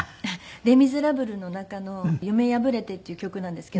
『レ・ミゼラブル』の中の『夢やぶれて』っていう曲なんですけど。